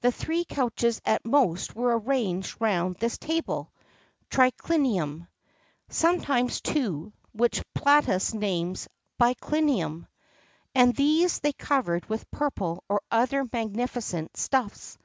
[XXXII 49] Three couches at most were arranged round this table (triclinium);[XXXII 50] sometimes two, which Plautus names biclinium;[XXXII 51] and these they covered with purple or other magnificent stuffs.